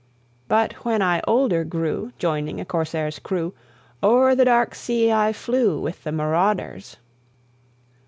"But when I older grew, Joining a corsair's crew, O'er the dark sea I flew With the marauders.